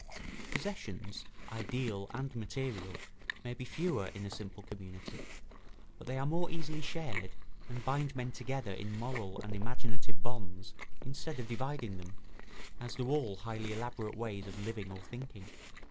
Possessions, ideal and material, may be fewer in a simple community, but they are more easily shared and bind men together in moral and imaginative bonds instead of dividing them, as do all highly elaborate ways of living or thinking.